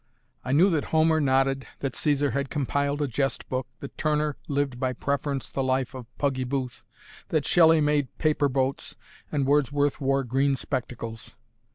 I knew that Homer nodded, that Caesar had compiled a jest book, that Turner lived by preference the life of Puggy Booth, that Shelley made paper boats, and Wordsworth wore green spectacles!